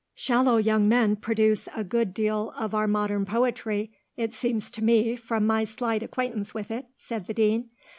"Shallow young men produce a good deal of our modern poetry, it seems to me from my slight acquaintance with it," said the Dean.